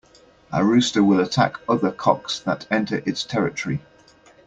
A rooster will attack other cocks that enter its territory.